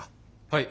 はい。